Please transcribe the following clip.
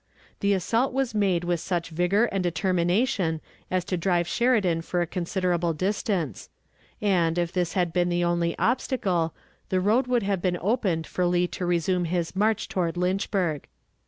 The assault was made with such vigor and determination as to drive Sheridan for a considerable distance; and, if this had been the only obstacle, the road would have been opened for Lee to resume his march toward Lynchburg.